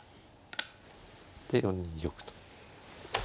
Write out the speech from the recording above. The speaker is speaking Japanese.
で４二玉と。